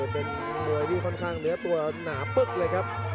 เป็นมวยที่ค่อนข้างเนื้อตัวหนาปึ๊กเลยครับ